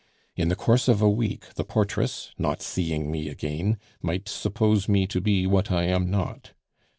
In the course of a week, the portress, not seeing me again, might suppose me to be what I am not.